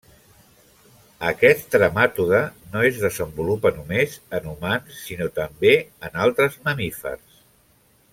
Aquest trematode no es desenvolupa només en humans sinó també en altres mamífers.